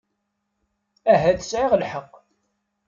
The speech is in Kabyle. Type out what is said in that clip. Ahat sɛiɣ lḥeqq.